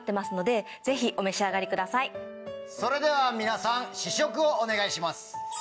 それでは皆さん試食をお願いします。